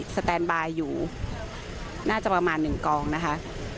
สแตนบายอยู่น่าจะประมาณ๑กองนะคะ